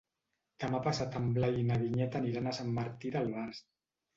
Demà passat en Blai i na Vinyet aniran a Sant Martí d'Albars.